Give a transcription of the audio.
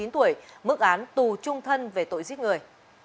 hai mươi chín tuổi mức án tù trung thân về tội giết người